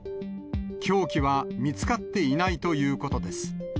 凶器は見つかっていないということです。